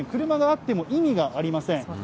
車があっても意味がありません。